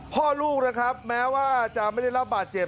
พ่อลูกนะครับแม้ว่าจะไม่ได้รับบาดเจ็บ